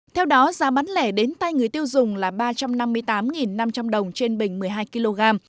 theo đó giá bán lẻ đến tay người tiêu dùng là ba trăm năm mươi tám năm trăm linh đồng trên bình một mươi hai kg